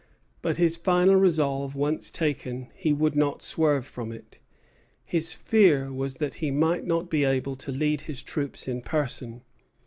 But his final resolve once taken, he would not swerve from it. His fear was that he might not be able to lead his troops in person.